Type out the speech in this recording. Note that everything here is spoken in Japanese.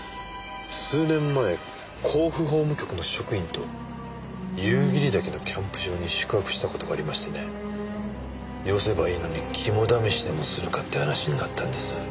数年前甲府法務局の職員と夕霧岳のキャンプ場に宿泊した事がありましてねよせばいいのに肝試しでもするかって話になったんです。